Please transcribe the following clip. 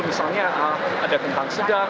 misalnya ada kentang sedang